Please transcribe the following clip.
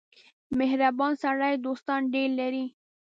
• مهربان سړی دوستان ډېر لري.